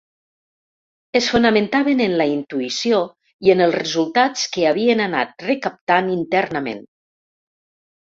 Es fonamentaven en la intuïció i en els resultats que havien anat recaptant internament.